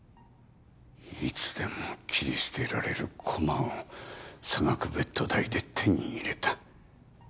いつでも切り捨てられる駒を差額ベッド代で手に入れた。